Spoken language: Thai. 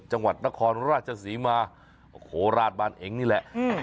จังหวัดนครราชศรีมาโอ้โหราชบ้านเองนี่แหละ